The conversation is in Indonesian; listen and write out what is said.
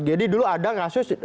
jadi dulu ada kasus